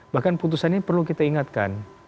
bahkan putusan ini perlu kita ingatkan